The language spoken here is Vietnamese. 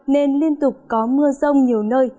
nên liên tục có mưa rông nhiều nơi